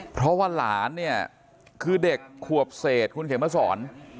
เพราะว่าหลานเนี่ยคือเด็กขวบเศษคุณเขียนมาสอน